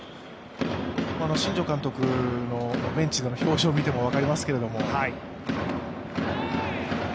新庄監督のベンチでの表情を見ても分かりますけれども。